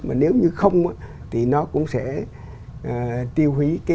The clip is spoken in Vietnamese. mà nếu như không thì nó cũng sẽ tiêu hủy cái